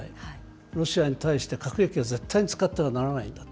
ロシアに対して核兵器は絶対に使ってはならないんだと。